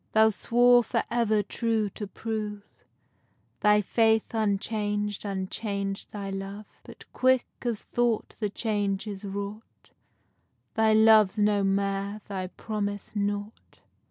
Thou swore for ever true to prove, Thy faith unchang'd, unchang'd thy love; But quick as thought the change is wrought, Thy love's no mair, thy promise nought.